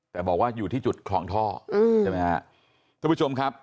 แต่บอกว่าอยู่ที่จุดคลองท่อใช่ไหมฮะทุกผู้ชมครับ